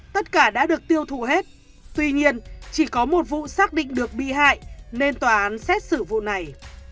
tất cả đã được tiêu thụ hết tuy nhiên chỉ có một vụ xác định được bị hại nên tòa án xét xử vụ này